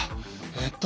えっと。